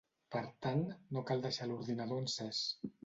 Per tant, no cal deixar l'ordinador encès.